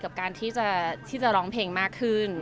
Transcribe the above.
กับการที่จะร้องเพลงมากขึ้น